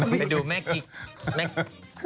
ไปดูแม่กิ๊ก